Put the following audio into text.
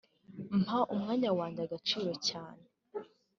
Mpa umwanya wanjye agaciro cyane